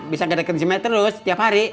bisa gak deketin si mae terus setiap hari